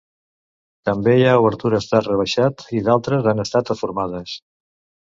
També hi ha obertures d'arc rebaixat i d'altres han estat reformades.